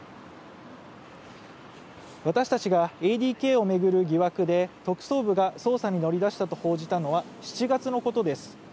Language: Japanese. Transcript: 私たちがＡＤＫを巡る疑惑で特捜部が捜査に乗り出したと報じたのは７月のことです。